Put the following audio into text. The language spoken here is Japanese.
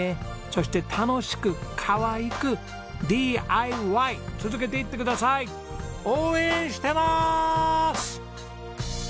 そして楽しくかわいくＤＩＹ続けていってください。応援してます！